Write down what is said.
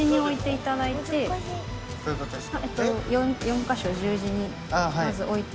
こういうことですか？